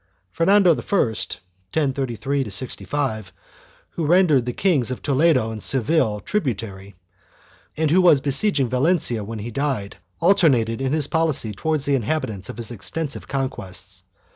3 Fernando I (1033 65), who rendered the Kings of Toledo and Seville tributary, and who was besieging Valencia when he died, alternated in his policy towards the inhabitants of his extensive conquests.